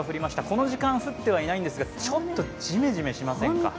この時間、降ってはいないんですがちょっとジメジメしませんか？